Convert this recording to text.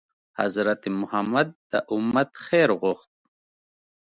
حضرت محمد ﷺ د امت خیر غوښت.